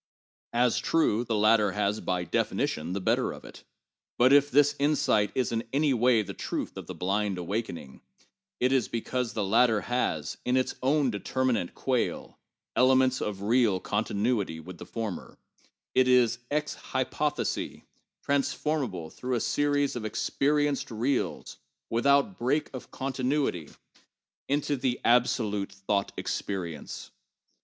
As trues, the latter has by defi nition the better of it ; but if this insight is in any way the truth of the blind awakening, it is because the latter has, in its own deter minate quale, elements of real continuity with the former; it is, ex hypothesi, transformable through a series of experienced reals, with out break of continuity into the absolute thought experience.